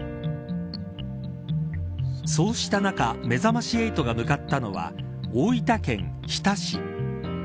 そうした中めざまし８が向かったのは大分県日田市。